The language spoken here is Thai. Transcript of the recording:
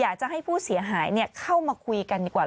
อยากจะให้ผู้เสียหายเข้ามาคุยกันดีกว่า